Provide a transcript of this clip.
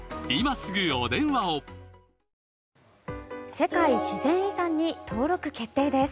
世界自然遺産に登録決定です。